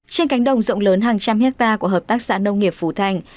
trên cánh đồng rộng lớn hàng trăm hectare của hợp tác xã nông nghiệp phú thành